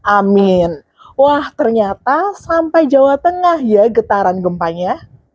amin wah ternyata sampai jawa tengah ya getaran gempanya